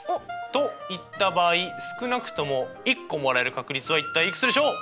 と言った場合少なくとも１個もらえる確率は一体いくつでしょう？